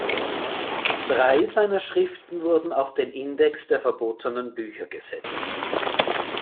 Drei seiner Schriften wurden auf den Index der verbotenen Bücher gesetzt.